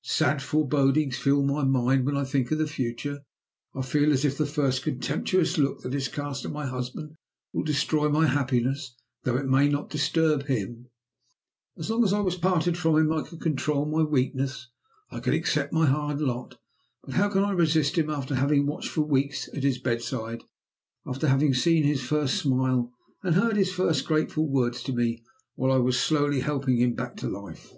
Sad forebodings fill my mind when I think of the future.... I feel as if the first contemptuous look that is cast at my husband will destroy my happiness, though it may not disturb him.... As long as I was parted from him I could control my own weakness, I could accept my hard lot. But how can I resist him after having watched for weeks at his bedside; after having seen his first smile, and heard his first grateful words t o me while I was slowly helping him back to life?